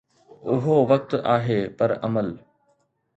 اهو وقت آهي پر عمل.